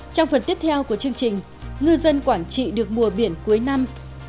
trong phần tiếp theo của chương trình ngư dân quảng trị được mùa biển cuối năm